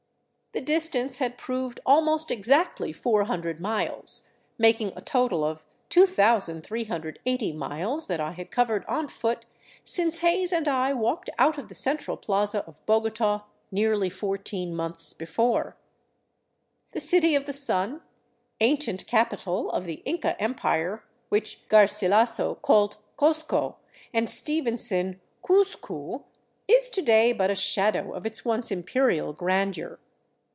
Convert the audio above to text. The distance had proved almost exactly 400 miles, making a total of 2380 miles that I 424 THE CITY OF THE SUN had covered on foot since Hays and I walked out of the central plaza of Bogota nearly fourteen months before. The City of the Sun, ancient capital of the Inca Empire, which Garsilaso called Cozco and Stevenson Couzcou, is to day but a shadow of its once imperial grandeur.